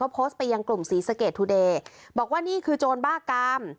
โพสต์ไปยังกลุ่มศรีสะเกดทุเดย์บอกว่านี่คือโจรบ้ากาม